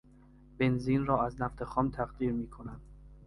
بنزین را از نفت خام تقطیر میکنند.